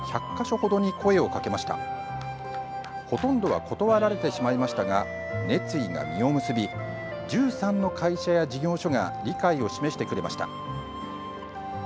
ほとんどは断られてしまいましたが熱意が実を結び１３の会社や事業所が理解を示してくれました。